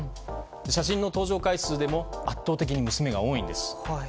写真の登場回数でも圧倒的に娘が多いんです。